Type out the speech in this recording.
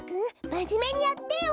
まじめにやってよ！